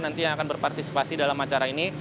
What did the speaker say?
nanti yang akan berpartisipasi dalam acara ini